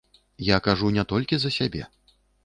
Я кажу не толькі за сябе.